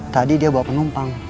tadi dia bawa penumpang